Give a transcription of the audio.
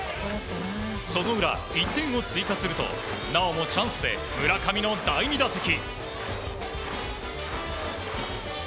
その裏、１点を追加するとなおもチャンスで村上の第２打席。